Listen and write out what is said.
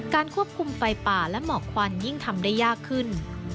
ควบคุมไฟป่าและหมอกควันยิ่งทำได้ยากขึ้น